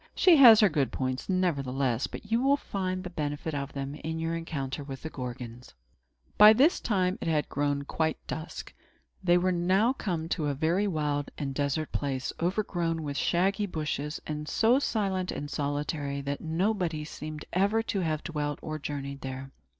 She has her good points, nevertheless; and you will find the benefit of them, in your encounter with the Gorgons." By this time it had grown quite dusk. They were now come to a very wild and desert place, overgrown with shaggy bushes, and so silent and solitary that nobody seemed ever to have dwelt or journeyed there.